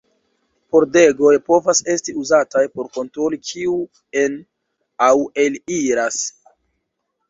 Pordegoj povas esti uzataj por kontroli kiu en- aŭ el-iras.